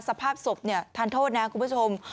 สภาพศพทานโทษนะคุณผู้ชม